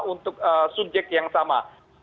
untuk subjek yang sama